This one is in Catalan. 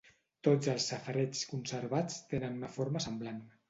Tots els safareigs conservats tenen una forma semblant.